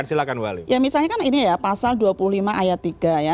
iya misalnya di pasal dua puluh lima ayat tiga ya